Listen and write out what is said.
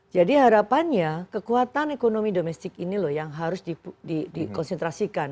harapannya kekuatan ekonomi domestik ini loh yang harus dikonsentrasikan